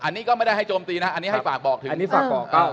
อันนี้ก็ไม่ได้ให้โจมตีนะอันนี้ฝากบอกถึง